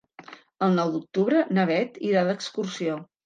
El nou d'octubre na Beth irà d'excursió.